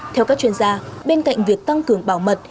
theo các chuyên gia bên cạnh việc tăng cường bảo mật